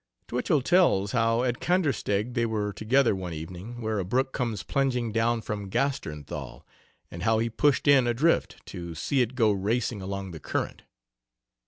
Twichell tells how at Kandersteg they were out together one evening where a brook comes plunging down from Gasternthal and how he pushed in a drift to see it go racing along the current.